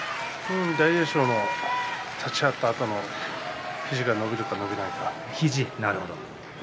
大栄翔の立ち合ったあとの肘が伸びるか伸びないか。